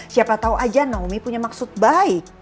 siapa tahu aja naomi punya maksud baik